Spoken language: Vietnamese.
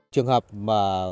trường hợp mà